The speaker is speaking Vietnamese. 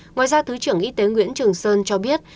ngoài ra thứ trưởng y tế nguyễn trường sơn cho biết